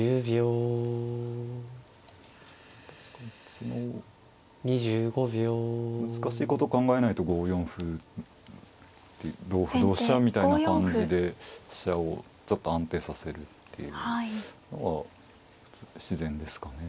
その難しいこと考えないと５四歩同歩同飛車みたいな感じで飛車をちょっと安定させるっていうのが自然ですかね。